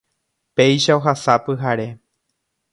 Péicha ohasa pyhare